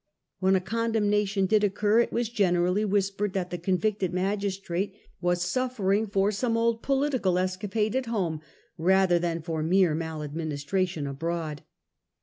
When a con demnation did occur, it was generally whispered that the convicted magistrate was suffering for some old political escapade at home, rather than for mere maladministration abroad.